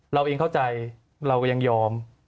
เราเองเข้าใจเราก็ยังยอม